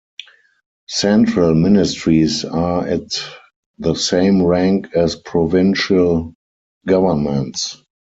Central ministries are at the same rank as provincial governments.